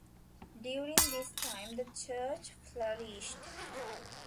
During this time the church flourished.